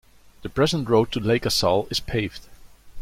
The present road to Lake Assal is paved.